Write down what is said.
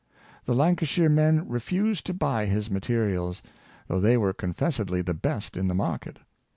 The Lancashire men refused to buy his materi als, though they were confessedly the best in the mar ket.